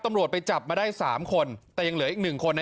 ตำรวจไปจับมาได้๓คนแต่ยังเหลืออีกหนึ่งคนนะ